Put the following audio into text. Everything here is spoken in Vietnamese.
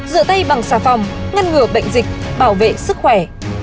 rửa tay bằng xà phòng ngăn ngừa bệnh dịch bảo vệ sức khỏe